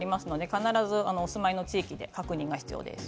必ずお住まいの場所で確認が必要です。